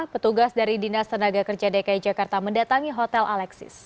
petugas dari dinas tenaga kerja dki jakarta mendatangi hotel alexis